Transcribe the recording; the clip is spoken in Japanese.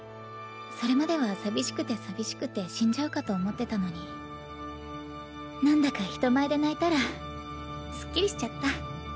それまでは寂しくて寂しくて死んじゃうかと思ってたのになんだか人前で泣いたらすっきりしちゃった。